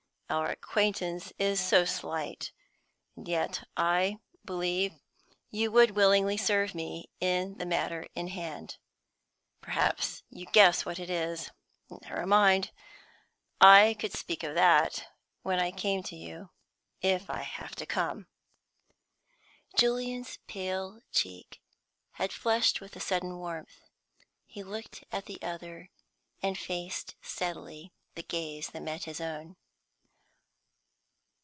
Our acquaintance is so slight. And yet I believe you would willingly serve me in the matter in hand. Perhaps you guess what it is. Never mind; I could speak of that when I came to you, if I have to come." Julian's pale cheek had flushed with a sudden warmth. He looked at the other, and faced steadily the gaze that met his own.